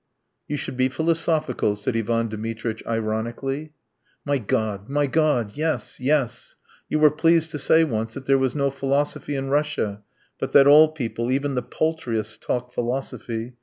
"You should be philosophical," said Ivan Dmitritch ironically. "My God, my God. ... Yes, yes. ... You were pleased to say once that there was no philosophy in Russia, but that all people, even the paltriest, talk philosophy.